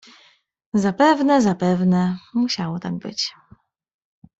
"Zapewne, zapewne, musiało tak być..."